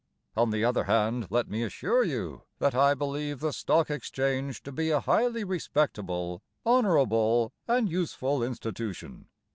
On the other hand, let me assure you That I believe the Stock Exchange To be a highly respectable, Honourable, And useful institution.